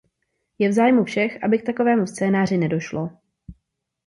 Je v zájmu všech, aby k takovému scénáři nedošlo.